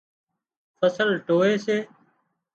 فصل ٽووي سي